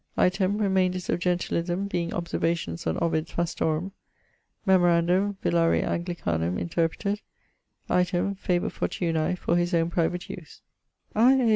item, 'Remaynders of Gentilisme,' being observations on Ovid's Fastorum. memorandum, 'Villare Anglicanum interpreted.' item, Faber Fortunae (for his own private use). I.